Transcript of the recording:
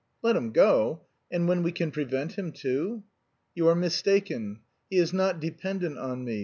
"Let him go! And when we can prevent him, too!" "You are mistaken. He is not dependent on me.